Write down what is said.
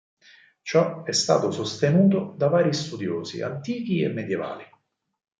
Ciò è stato sostenuto da vari studiosi antichi e medievali.